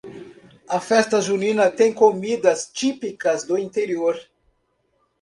A Festa junina tem comidas típicas do interior